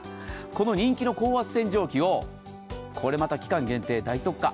この人気の高圧洗浄機を、これまた期間限定大特価。